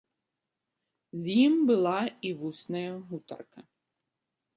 З ім была і вусная гутарка.